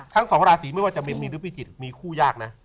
ทั้งสองราศีไม่ว่าจะมีหรือพิจิตรมีคู่ยากนะ